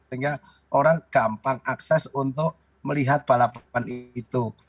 sehingga orang gampang akses untuk melihat balapan itu